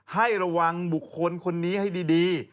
ให้ระวังบุคคลคนนี้ให้ดี